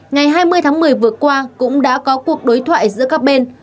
ngày hai mươi tháng một mươi vừa qua cũng đã có cuộc đối thoại giữa các bên